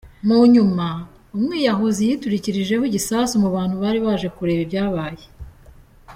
Mu nyuma umwiyahuzi yiturikirijeho igisasu mu bantu bari baje kureba ibyabaye.